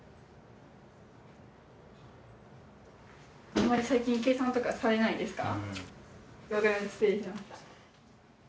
あんまり最近、計算とかされないですか？